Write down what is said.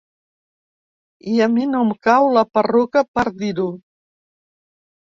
I a mi no em cau la perruca per dir-ho.